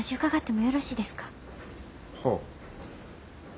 はあ。